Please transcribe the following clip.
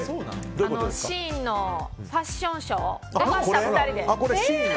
ＳＨＥＩＮのファッションショー出ました、２人で。